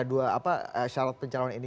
dua syarat pencarian ini